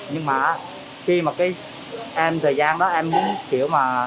nhưng mà khi mà cái em thời gian đó em muốn kiểu mà